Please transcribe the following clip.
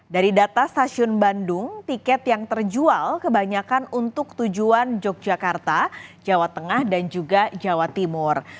dari data stasiun bandung tiket yang terjual kebanyakan untuk tujuan yogyakarta jawa tengah dan juga jawa timur